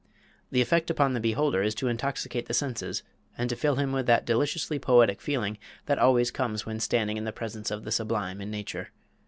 The effect upon the beholder is to intoxicate the senses and to fill him with that deliciously poetic feeling that always comes when standing in the presence of the sublime in nature.